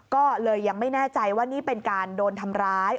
ก็เลยยังไม่แน่ใจว่านี่เป็นการโดนทำร้าย